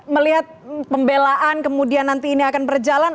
melihat pembelaan kemudian nanti ini akan berjalan